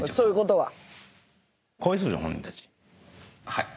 「はい。